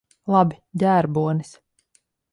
Labi. Ģērbonis.